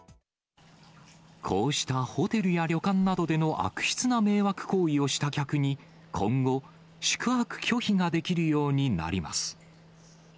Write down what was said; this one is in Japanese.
こうしたホテルや旅館などでの悪質な迷惑行為をした客に、今後、宿泊拒否ができるようになります。